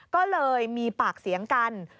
ก็เลยมีปากเสียงกัน